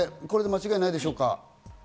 これで間違いないですか？